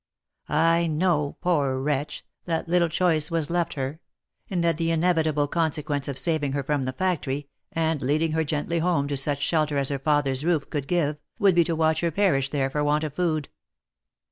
I know, poor wretch, that little choice was left her, and that the inevitable consequence of saving her from the factory, and leading her gently home to such shelter as her father's roof could give, would be to watch her perish there for want of food."